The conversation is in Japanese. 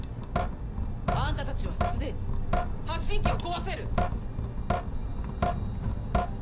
あんたたちはすでに発信器を壊せる。